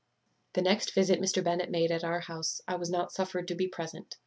"The next visit Mr. Bennet made at our house I was not suffered to be present.